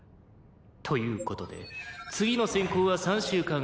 「という事で次の選考は３週間後」